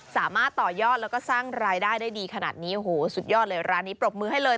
สามารถต่อยอดแล้วก็สร้างรายได้ได้ดีขนาดนี้โอ้โหสุดยอดเลยร้านนี้ปรบมือให้เลย